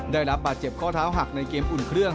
ได้รับบาดเจ็บข้อเท้าหักในเกมอุ่นเครื่อง